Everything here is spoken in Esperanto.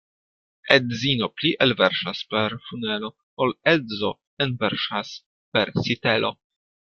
Edzino pli elverŝas per funelo, ol edzo enverŝas per sitelo.